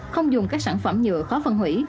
không dùng các sản phẩm nhựa khó phân hủy